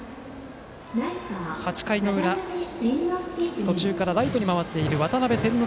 ８回の裏、途中からライトに回っている渡邉千之